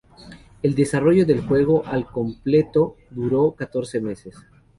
El desarrollo del juego al completo duró catorce meses.